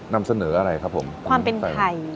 นำเสนออะไรครับผมความเป็นไทย